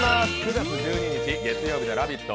９月１２日月曜日の「ラヴィット！」